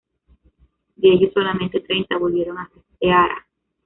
De ellos, solamente treinta volvieron a Ceará.